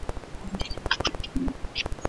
د قدرت ترلاسه کول د سياسي مبارزې اصلي موخه وي.